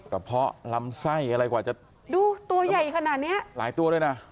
เพาะลำไส้อะไรกว่าจะดูตัวใหญ่ขนาดเนี้ยหลายตัวเลยนะ